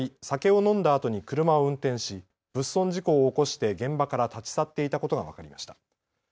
酒を飲んだあとに車を運転し物損事故を起こして現場から立ち去っていたことが分かりました。